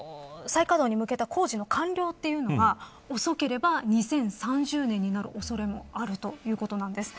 再稼働に向けた工事の完了は遅ければ２０３０年になる恐れもあるということです。